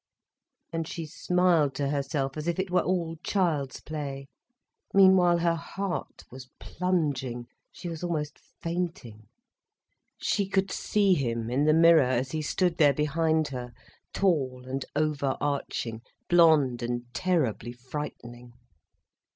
And she smiled to herself as if it were all child's play. Meanwhile her heart was plunging, she was almost fainting. She could see him, in the mirror, as he stood there behind her, tall and over arching—blond and terribly frightening.